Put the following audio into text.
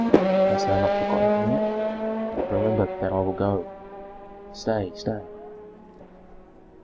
"Hast thou not forgotten him yet? Remember that I will go " "Stay, stay!"